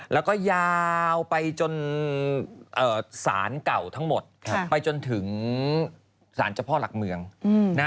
แล้วก็ยาวไปจนสารเก่าทั้งหมดไปจนถึงสารเจ้าพ่อหลักเมืองนะ